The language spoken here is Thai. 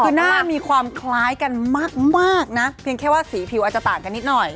คือหน้ามีความคล้ายกันมากนะเพียงแค่ว่าสีผิวอาจจะต่างกันนิดหน่อย